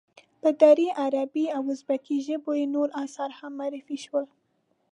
په دري، عربي او ازبکي ژبو یې نور آثار هم معرفی شول.